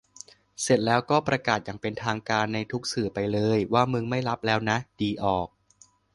เสร็จแล้วก็ประกาศอย่างเป็นทางการในทุกสื่อไปเลย ว่ามึงไม่ลับแล้วนะ ดีออก